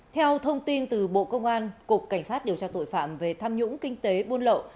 theo thông tin từ bộ công an cục cảnh sát điều tra tội phạm về tham nhũng kinh tế buôn lậu